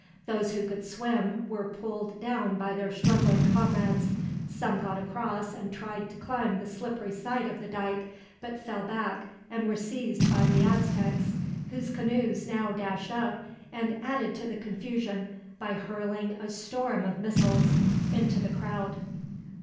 Those who could swim were pulled down by their struggling comrades. Some got across and tried to climb the slippery side of the dike, but fell back and were seized by the Aztecs; whose canoes now dashed up, and added to the confusion by hurling a storm of missiles into the crowd.